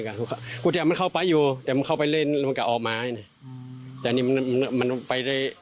ก็ขึ้นไปฝาตไปมันจะเข้าไปออกมาตัวนี้มันไป